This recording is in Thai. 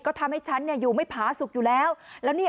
ก็ทำให้ฉันเนี่ยอยู่ไม่ผาสุขอยู่แล้วแล้วเนี่ย